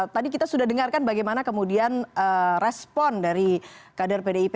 tadi kita sudah dengarkan bagaimana kemudian respon dari kader pdip